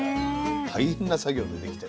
大変な作業でできてる。